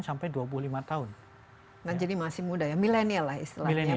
nah jadi masih muda ya millennial lah istilahnya